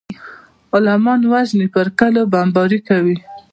عالمان وژني پر کليو بمبارۍ کوي.